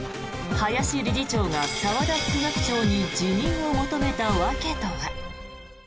林理事長が澤田副学長に辞任を求めた訳とは。